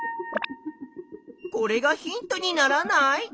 これがヒントにならない？